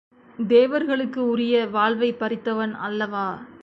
தேவர்களுக்கு உரிய வாழ்வைப் பறித்தவன் அல்லவா?